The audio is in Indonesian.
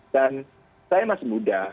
dan saya masih muda